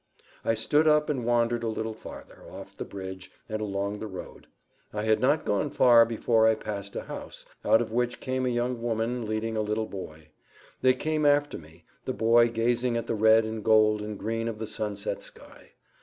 I stood up and wandered a little farther—off the bridge, and along the road. I had not gone far before I passed a house, out of which came a young woman leading a little boy. They came after me, the boy gazing at the red and gold and green of the sunset sky.